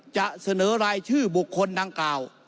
จะเสนอรายชื่อบุคคลดังกล่าว